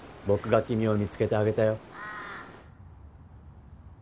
僕が君を見つけてあげたよ